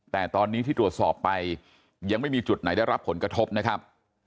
แต่ตอนนี้ที่ตรวจสอบไปยังไม่มีจุดไหนได้รับผลกระทบนะครับ